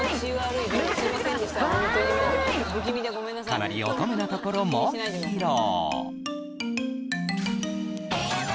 かなり乙女なところも披露。